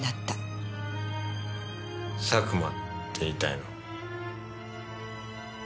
佐久間って言いたいの？